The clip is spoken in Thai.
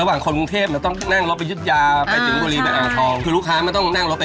วันนึงเนี่ยใช้ปลาเป็น๑๐๐กิโลกรัมจริงไหมพ่อ